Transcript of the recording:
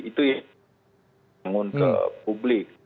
itu yang tanggung jawab ke publik